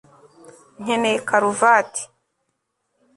nkeneye karuvati